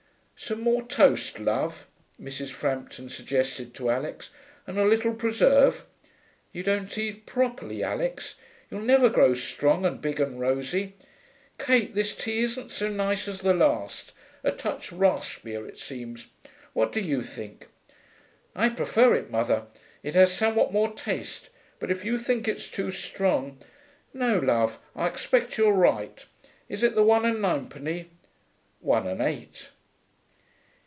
'Some more toast, love,' Mrs. Frampton suggested to Alix. 'And a little preserve. You don't eat properly, Alix. You'll never grow strong and big and rosy.... Kate, this tea isn't so nice as the last. A touch raspier, it seems. What do you think?' 'I prefer it, mother. It has somewhat more taste. But if you think it's too strong....' 'No, love, I expect you're right. Is it the one and ninepenny?' 'One and eight.'